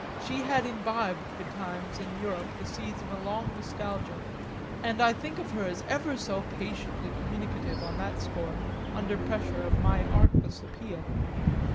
she had imbibed betimes in Europe the seeds of a long nostalgia, and I think of her as ever so patiently communicative on that score under pressure of my artless appeal.